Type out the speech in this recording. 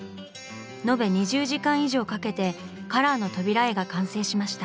延べ２０時間以上かけてカラーの扉絵が完成しました。